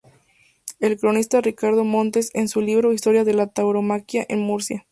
El cronista Ricardo Montes, en su libro "Historia de la Tauromaquia en Murcia.